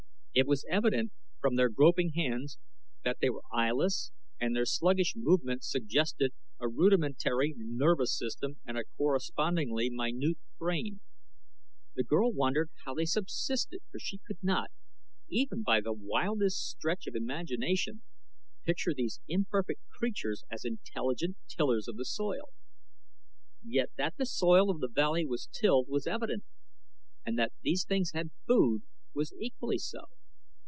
It was evident from their groping hands that they were eyeless, and their sluggish movements suggested a rudimentary nervous system and a correspondingly minute brain. The girl wondered how they subsisted for she could not, even by the wildest stretch of imagination, picture these imperfect creatures as intelligent tillers of the soil. Yet that the soil of the valley was tilled was evident and that these things had food was equally so.